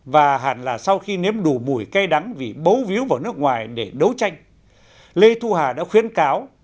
và hẳn là sau khi nếm đủ mùi cay đắng vì bấu víu vào nước ngoài để đấu tranh lê thu hà đã khuyến cáo